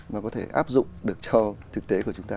mà có thể áp dụng được cho thực tế của chúng ta